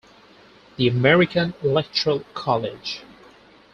"The American Electoral College".